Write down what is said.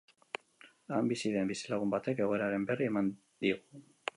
Han bizi den bizilagun batek egoeraren berri eman digu.